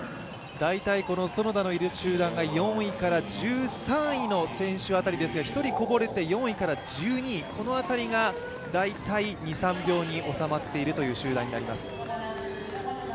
大体園田のいる集団が４位から１３位の集団ですが１人こぼれて、４位から１２位、この辺りが２３秒に収まっているという集団になります。